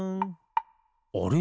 あれ？